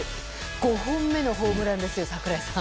５本目のホームランですよ櫻井さん。